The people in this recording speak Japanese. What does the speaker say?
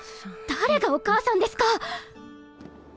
誰がお母さんですか！